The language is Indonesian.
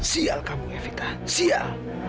sial kamu evita sial